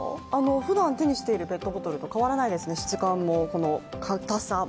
ふだん手にしているペットボトルと変わらないですね、質感もこのかたさも。